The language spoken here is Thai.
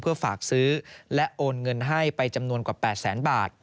เพื่อฝากซื้อและโอนเงินให้ไปจำนวนกว่า๘แสนบาท